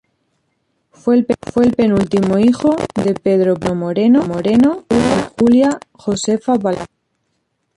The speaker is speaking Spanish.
Fue el penúltimo hijo de Pedro Ponciano Moreno y Julia Josefa Palacios.